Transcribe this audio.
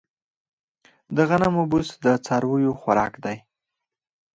د غنمو بوس د څارویو خوراک دی.